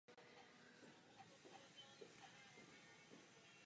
Významné jsou rovněž jeho práce o středověké architektuře.